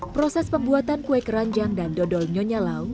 proses pembuatan kue keranjang dan dodol nyonya lau